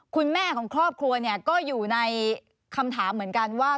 คุณแม่ของครอบครัวเนี่ยก็อยู่ในคำถามเหมือนกันว่า